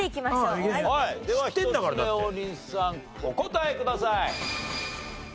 お答えください。